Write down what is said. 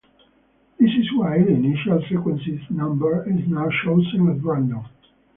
This is why the initial sequence number is now chosen at random.